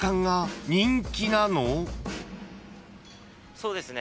そうですね。